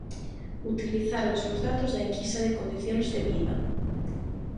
Utilizáronse os datos da Enquisa de Condicións de Vida.